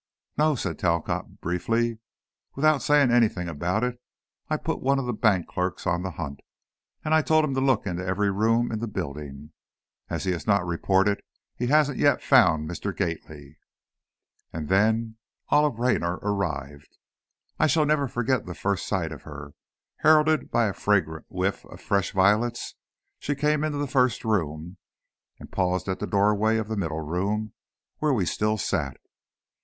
"No," said Talcott, briefly. "Without saying anything about it I put one of the bank clerks on the hunt and I told him to look into every room in the building. As he has not reported, he hasn't yet found Mr. Gately." And then, Olive Raynor arrived. I shall never forget that first sight of her. Heralded by a fragrant whiff of fresh violets, she came into the first room, and paused at the doorway of the middle room, where we still sat.